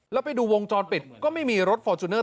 แล้วไปดูวงจรปิดก็ไม่มีรถฟอร์จูเนอร์